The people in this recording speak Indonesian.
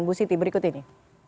bu siti berikut ini